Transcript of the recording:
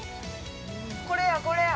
◆これや、これや。